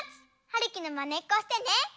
はるきのまねっこしてね！